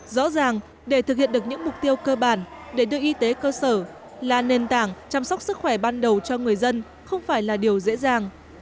rõ ràng để thực hiện được những mục tiêu cơ bản để đưa y tế cơ sở là nền tảng chăm sóc sức khỏe ban đầu cho người dân không phải là điều dễ dàng